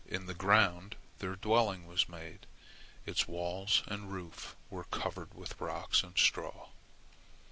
In the ground their dwelling was made. Its walls and roof were covered with rocks and straw.